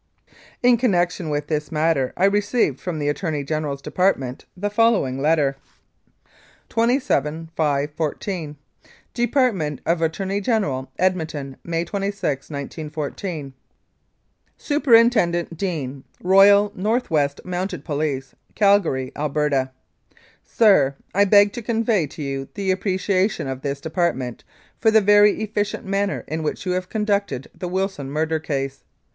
In connection with this matter I received from the Attorney General's Department the following letter : 260 The Wilson Murder and Robbery Copy of letter received 27/5/14. Department of Attorney General, Edmonton, May 26, 1914. Superintendent DEANE, Royal North West Mounted Police, Calgary, Alberta. SIR, I beg to convey to you the appreciation of this Department for the very efficient manner in which you have conducted the Wilson murder case.